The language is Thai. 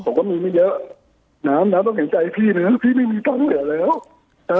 ผมก็มีไม่เยอะน้ำน้ำต้องเห็นใจพี่นะพี่ไม่มีตังค์เหลือแล้วเอ่อ